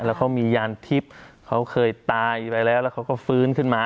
แล้วเขามียานทิพย์เขาเคยตายไปแล้วแล้วเขาก็ฟื้นขึ้นมา